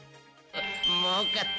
もうかった。